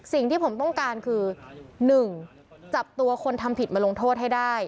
สิ่งที่ผมต้องการคือ๑จับตัวคนทำผิดมาลงโทษให้ได้